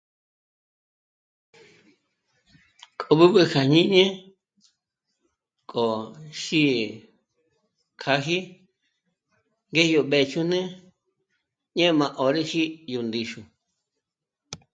K'ôb'´ü já jñíni k'o xí'i kja jí' ngé dyó mbë̀ch'üne ñé'm'a 'ö̀rüji yó ndíxu